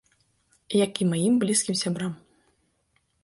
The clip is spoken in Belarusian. Як і маім блізкім сябрам.